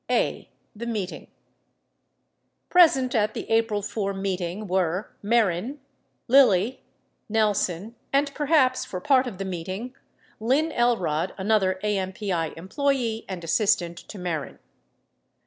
a. The Meeting Present at the April 4 meeting were Mehren, Lilly, Nelson, and perhaps for part of the meeting, Lynn Elrod, another AMPI em ployee and assistant to Mehren.